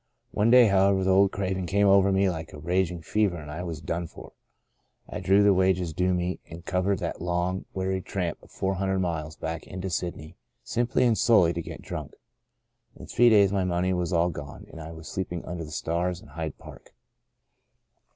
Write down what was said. One day, however, the old craving came over me like a raging fever and I was done for. I drew the wages due me, and covered that Into a Far Country 8l long, weary tramp of four hundred miles back into Sydney simply and solely to get drunk. In three days my money was all gone and I was sleeping under the stars in Hyde Park.